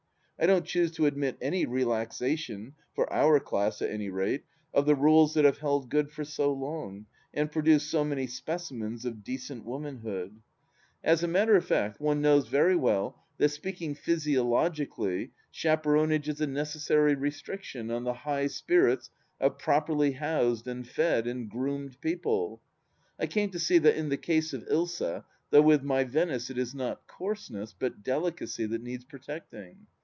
I don't choose to admit any relaxation — for our class, at any rate — of the rules that have held good for so long and pro duced so many specimens of decent womanhood. As a 234 THE LAST DITCH matter of fact, one knows very well that, speaking physio logically, chaperonage is a necessary restriction on the high spirits of properly housed and fed and groomed people. I came to see that in the case of Ilsa, though with my Venice it is not coarseness, but delicacy that needs protecting.